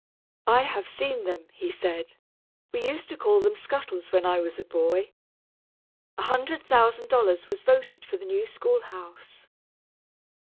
"I have seen them," he said; "we used to call them scuttles when I was a boy." A hundred thousand dollars was voted for the new schoolhouse.